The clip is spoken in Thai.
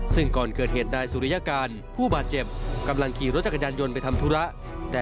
ซึ่งก่อนเกิดเหตุนายสุริยการผู้บาดเจ็บกำลังขี่รถจักรยานยนต์ไปทำธุระ